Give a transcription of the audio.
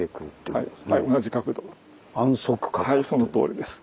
はいそのとおりです。